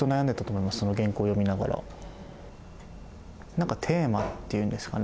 なんかテーマっていうんですかね